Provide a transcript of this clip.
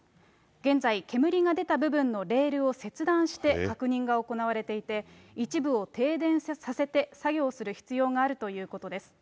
現在、煙が出た部分のレールを切断して確認が行われていて、一部を停電させて作業する必要があるということです。